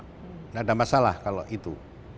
tidak ada masalah kalau itu